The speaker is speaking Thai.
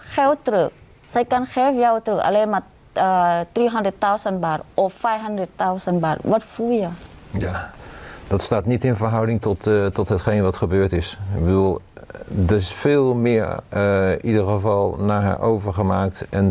คุณปีเตอร์จะว่ายังไงเอ่ออ่า